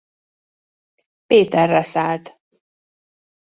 Péterre szállt.